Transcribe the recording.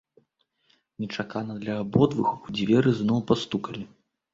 Нечакана для абодвух у дзверы зноў пастукалі.